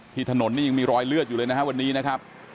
ถนนนี่ยังมีรอยเลือดอยู่เลยนะครับวันนี้นะครับ